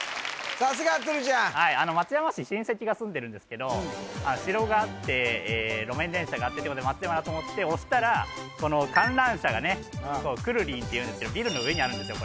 さすが鶴ちゃんはい松山市親戚が住んでるんですけど城があって路面電車があってってことで松山だなと思って押したらこの観覧車がねくるりんっていうんですけどビルの上にあるんですよ